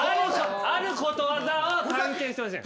あることわざを探検してほしい。